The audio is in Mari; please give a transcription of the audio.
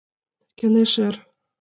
КЕҤЕЖ ЭР